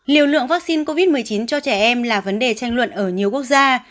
liều lượng vaccine covid một mươi chín cho trẻ em là vấn đề tranh luận ở nhiều quốc gia